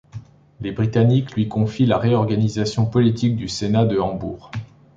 Les Britanniques lui confient la réorganisation politique du sénat de Hambourg.